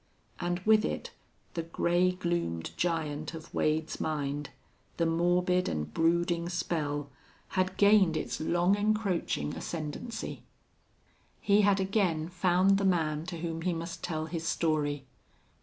And with it the gray gloomed giant of Wade's mind, the morbid and brooding spell, had gained its long encroaching ascendancy. He had again found the man to whom he must tell his story.